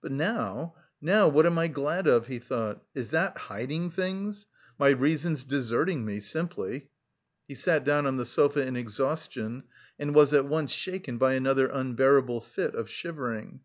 "But now, now, what am I glad of?" he thought, "Is that hiding things? My reason's deserting me simply!" He sat down on the sofa in exhaustion and was at once shaken by another unbearable fit of shivering.